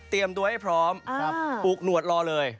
ตัวให้พร้อมปลูกหนวดรอเลย